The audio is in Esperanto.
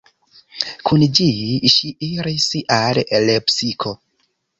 Kun ĝi ŝi iris al Lepsiko.